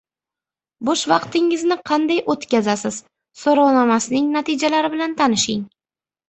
"Bo‘sh vaqtingizni qanday o‘tkazasiz?" so‘rovnomasining natijalari bilan tanishing